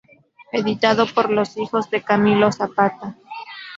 Editado por Los Hijos de Camilo Zapata.